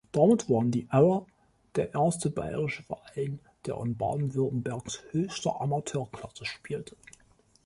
Damit waren die Auer der erste bayerische Verein, der in Baden-Württembergs höchster Amateurklasse spielte.